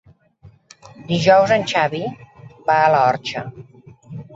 Dijous en Xavi va a l'Orxa.